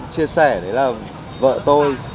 chia sẻ là vợ tôi